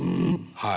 はい。